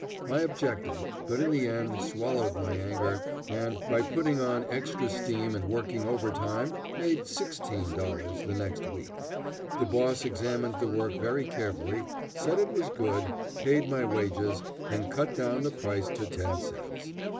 I objected, but in the end swallowed my anger and, by putting on extra steam and working overtime, made $16 the next week. The boss examined the work very carefully, said it was good, paid my wages, and cut down the price to ten cents.